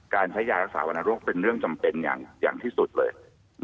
การใช้ยารักษาวรรณโรคเป็นเรื่องจำเป็นอย่างที่สุดเลย